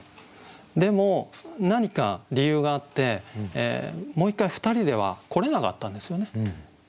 でも何か理由があってもう一回ふたりでは来れなかったんですよね。